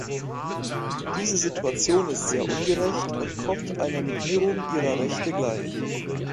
Diese Situation ist sehr ungerecht und kommt einer Negierung ihrer Rechte gleich.